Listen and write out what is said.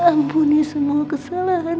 ampuni semua kesalahan